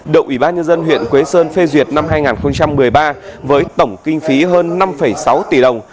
đội bác nhân dân huyện quế sơn phê duyệt năm hai nghìn một mươi ba với tổng kinh phí hơn năm sáu tỷ đồng